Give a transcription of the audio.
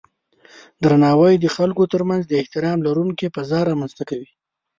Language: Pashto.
درناوی د خلکو ترمنځ د احترام لرونکی فضا رامنځته کوي.